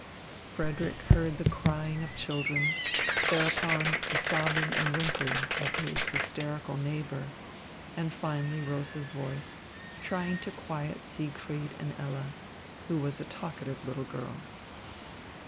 Frederick heard the crying of children, thereupon the sobbing and whimpering of his hysterical neighbour, and finally Rosa's voice, trying to quiet Siegfried and Ella, who was a talkative little girl.